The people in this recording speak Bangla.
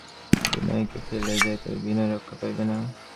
আমি যদি নিজের প্রাণের ভয়ে বিনয়কে ফেলিয়া যাই, তবে বিনয় রক্ষা পাইবে না।